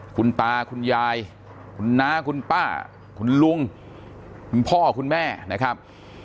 คุณตาคุณยายคุณน้าคุณป้าคุณลุงคุณพ่อคุณแม่นะครับ